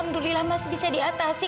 writing toys aktivin di raja terus ya